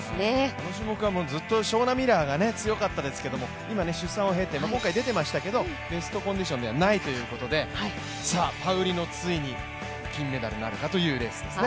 この種目はずっとショウナ・ミラーが強かったですけど出産を経て、今回も出ていましたけれども、ベストコンディションではないということで、パウリノ、ついに金メダルなるかというレースですね。